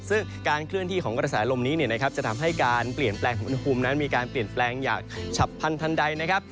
ซึ่งการเคลื่อนที่ของกระแสลมนี้เนี่ยนะครับจะทำให้การเปลี่ยนแปลงของอุณหภูมินั้นมีการเปลี่ยนแปลงอย่างฉับพันธันใดนะครับ